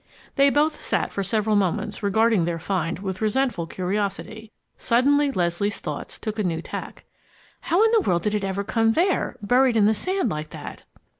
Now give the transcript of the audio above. They both sat for several moments regarding their find with resentful curiosity. Suddenly Leslie's thoughts took a new tack, "How in the world did it ever come there buried in the sand like that?"